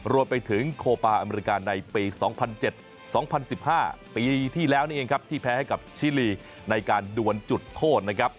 รวมไปถึงโคปาอเมริกาในปี๒๐๐๗๒๐๑๕ปีที่แล้วนี่เองครับที่แพ้ให้กับชิลีในการดวนจุดโทษนะครับ